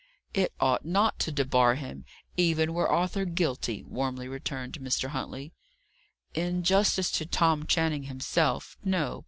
"It ought not to debar him, even were Arthur guilty," warmly returned Mr. Huntley. "In justice to Tom Channing himself, no.